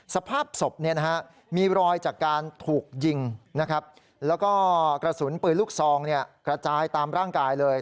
สภาพศพมีรอยจากการถูกยิงแล้วก็กระสุนปืนลูกซองกระจายตามร่างกายเลย